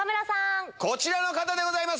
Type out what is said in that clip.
こちらの方でございます。